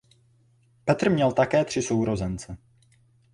Petr měl také tři sourozence.